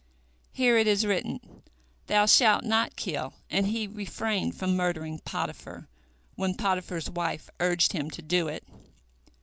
Here it is written, Thou shalt not kill, and he refrained from murdering Potiphar when Potiphar's wife urged him to do it.